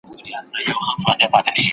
انتقادي فکر څنګه د زده کوونکو تمرکز ښه کوي؟